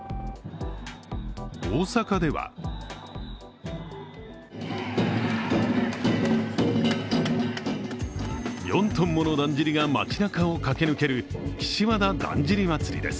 大阪では４ｔものだんじりが街なかを駆け抜ける岸和田だんじり祭です。